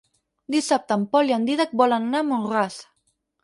Dissabte en Pol i en Dídac volen anar a Mont-ras.